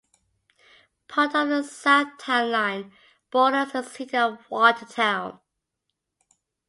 Part of the south town line borders the City of Watertown.